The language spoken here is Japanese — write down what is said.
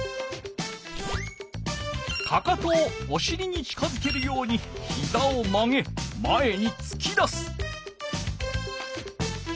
かかとをおしりに近づけるようにひざを曲げ前につき出す。